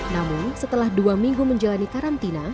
namun setelah dua minggu menjalani karantina